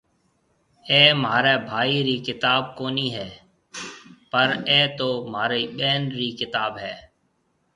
اَي مهاريَ ڀائي رِي ڪتاب ڪونَي هيَ پر اَي تو مهارِي ٻين رِي ڪتاب هيَ۔